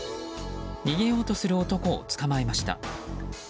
逃げようとする男を捕まえました。